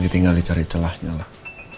giting gali cari celahnya lah